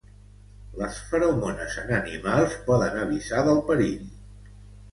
Les feromones en animals poden avisar del perill.